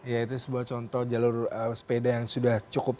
ya itu sebuah contoh jalur sepeda yang sudah cukup